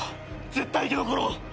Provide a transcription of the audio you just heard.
絶対生き残ろう！